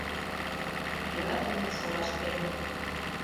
Йӧратыме солаштем